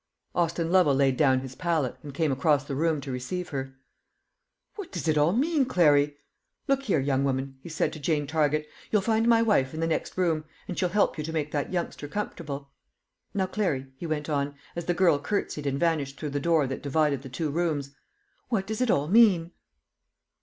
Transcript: Austin Lovel laid down his palette, and came across the room to receive her. "What does it all mean, Clary? Look here, young woman," he said to Jane Target; "you'll find my wife in the next room; and she'll help you to make that youngster comfortable. Now, Clary," he went on, as the girl curtseyed and vanished through the door that divided the two rooms, "what does it all mean?"